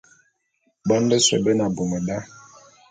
Bon bese be ne abum da.